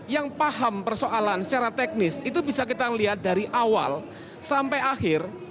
yang paham persoalan secara teknis itu bisa kita lihat dari awal sampai akhir